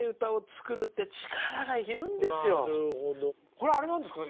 これあれなんですか？